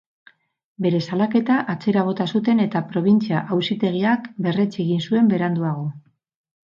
Bere salaketa atzera bota zuten eta probintzia auzitegiak berretsi egin zuen beranduago.